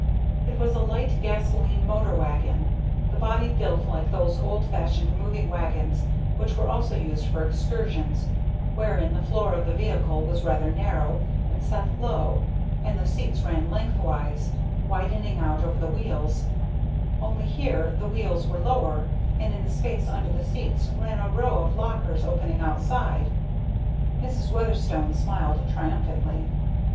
It was a light gasolene motor wagon, the body built like those old fashioned moving wagons which were also used for excursions, wherein the floor of the vehicle was rather narrow, and set low, and the seats ran lengthwise, widening out over the wheels; only here the wheels were lower, and in the space under the seats ran a row of lockers opening outside. Mrs. Weatherstone smiled triumphantly.